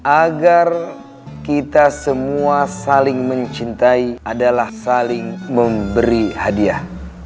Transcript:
agar kita semua saling mencintai adalah saling memberi hadiah